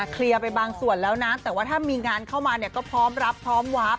เคลียร์ไปบางส่วนแล้วนะแต่ว่าถ้ามีงานเข้ามาเนี่ยก็พร้อมรับพร้อมวาบ